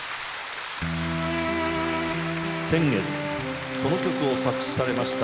先月この曲を作詞されました